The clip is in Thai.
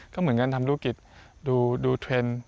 ก็เหมือนกันทำธุรกิจดูเทรนด์